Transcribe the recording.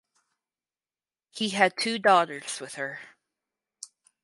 He had two daughters with her.